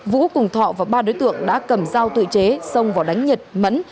vũ cùng thọ và ba đối tượng đã cầm dao tự chế xông vào đánh nhật mẫn